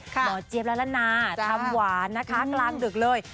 เจี๊ยบละละนาทำหวานนะคะกลางดึกเลย